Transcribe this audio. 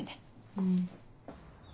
うん。